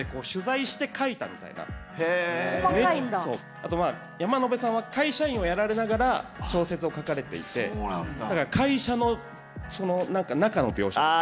あと山野辺さんは会社員をやられながら小説を書かれていてだから会社の中の描写とか。